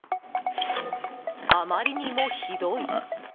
あまりにもひどい。